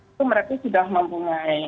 itu merupakan sudah mempunyai